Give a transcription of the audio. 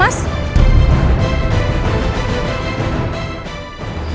mas itu gimana sih